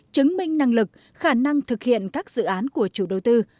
chứng minh năng lực khả năng thực hiện các dự án của chủ đầu tư